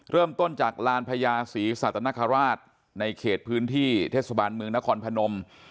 เริ่มต้นจากลานพญาศรีสัตนคราชในเขตพื้นที่เทศบาลเมืองนครพนม